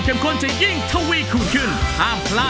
ช่วยฝังดินหรือกว่า